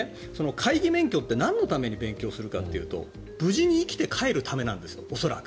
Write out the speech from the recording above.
海技免許ってなんのために勉強するかというと無事に生きて帰るためなんです。